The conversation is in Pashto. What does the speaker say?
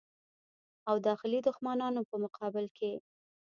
او داخلي دښمنانو په مقابل کې.